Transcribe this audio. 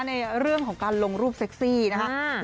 ในเรื่องของการลงรูปเซ็กซี่นะครับ